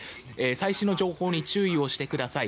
最新の情報に注意をしてください。